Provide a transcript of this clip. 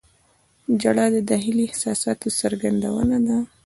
• ژړا د داخلي احساساتو څرګندونه ده.